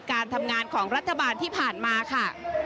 การทำงานของรัฐบาลที่ผ่านมาค่ะ